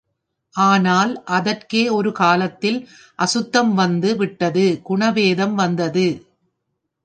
ஆனால் அதற்கே ஒரு காலத்தில் அசுத்தம் வந்து விட்டது குணபேதம் வந்தது.